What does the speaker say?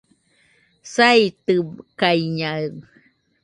saitɨkaɨñaɨ